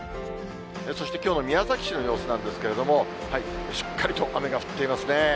そしてきょうの宮崎市の様子なんですけれども、しっかりと雨が降っていますね。